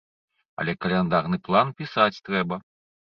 Але каляндарны план пісаць трэба.